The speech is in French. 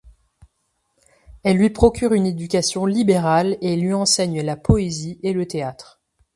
Elle lui procure une éducation libérale et lui enseigne la poésie et le théâtre.